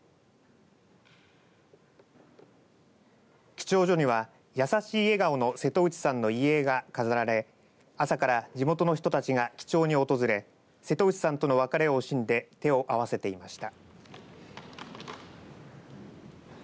記帳所には、優しい笑顔の瀬戸内さんの遺影が飾られ朝から地元の人たちが記帳に訪れ瀬戸内さんとの別れを惜しんで手を合わせていました。